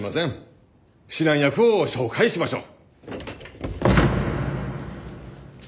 指南役を紹介しましょう。